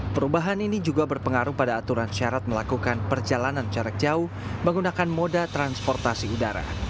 perubahan ini juga berpengaruh pada aturan syarat melakukan perjalanan jarak jauh menggunakan moda transportasi udara